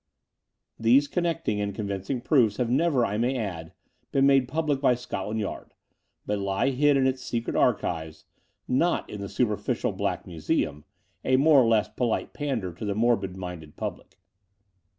These connecting and convincing proofs have never, I may add, been made public by Scotland Yard, but lie hid in its secret archives — not in the superficial Black Musetun, a more or less polite pander to the morbid minded public.